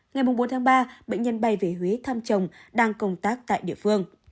ngày bốn tháng ba bệnh nhân bay về huế thăm chồng đang công tác tại địa phương